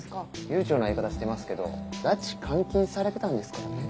悠長な言い方してますけど拉致監禁されてたんですからね。